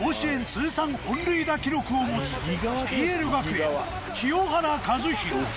通算本塁打記録を持つＰＬ学園清原和博。